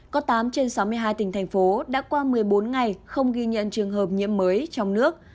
có tám trên sáu mươi hai tỉnh thành phố đã qua một mươi bốn ngày không ghi nhận trường hợp nhiễm mới trong nước